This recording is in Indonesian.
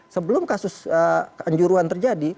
sebelum kasus keanjuruan terjadi